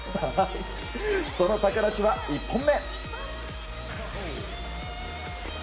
その高梨は、１本目。